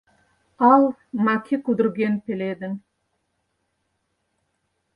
Ал маке кудырген пеледын.